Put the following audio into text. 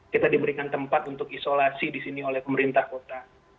kita diberikan tempat untuk isolasi disini oleh pemerintah kota